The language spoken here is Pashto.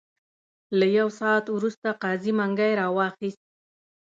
له یو ساعت وروسته قاضي منګی را واخیست.